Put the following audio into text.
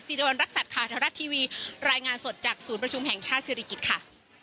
รวรรณรักษัตริย์ข่าวแถวรัฐทีวีรายงานสดจากศูนย์ประชุมแห่งชาติศิริกิจค่ะ